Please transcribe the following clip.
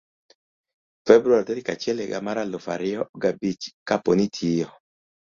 februar tarik achiel higa mar aluf ariyo ga bich. kapo ni itiyo